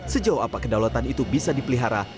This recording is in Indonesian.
sejauh apa kedaulatan itu bisa dipelihara